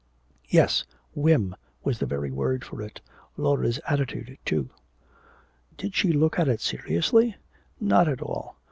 Yes, "whim" was the very word for it! Laura's attitude, too! Did she look at it seriously? Not at all!